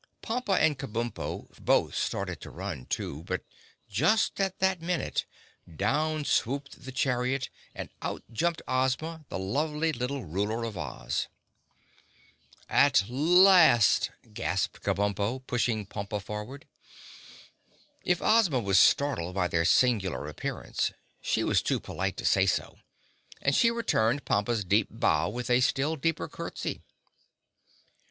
Pompa and Kabumpo both started to run, too, but just at that minute down swooped the chariot and out jumped Ozma, the lovely little Ruler of Oz. "At last!" gasped Kabumpo, pushing Pompa forward. If Ozma was startled by their singular appearance, she was too polite to say so, and she returned Pompa's deep bow with a still deeper curtsey.